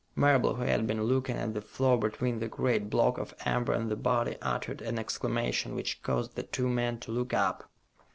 Marable, who had been looking at the floor between the great block of amber and the body, uttered an exclamation which caused the two men to look up.